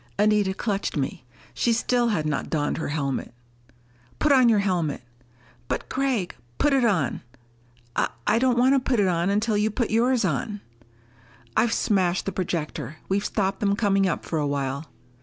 Anita clutched me. She still had not donned her helmet. "Put on your helmet!" "But Gregg " "Put it on!" "I.... I don't want to put it on until you put yours on." "I've smashed the projector! We've stopped them coming up for a while."